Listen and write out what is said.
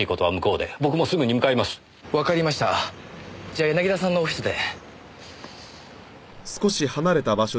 じゃあ柳田さんのオフィスで。